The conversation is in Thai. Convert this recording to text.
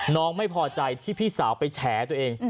น้องไม่พอใจที่พี่สาวไปแฉตัวเอง